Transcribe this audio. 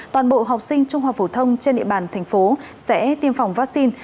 toàn bộ học sinh trung học phổ thông trên địa bàn thành phố sẽ tiêm phòng vaccine